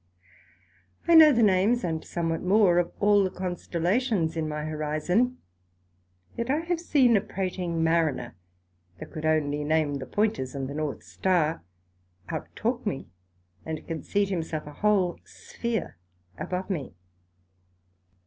I know the names, and somewhat more, of all the constellations in my Horizon; yet I have seen a prating Mariner, that could onely name the pointers and the North Star, out talk me, and conceit himself a whole Sphere above me.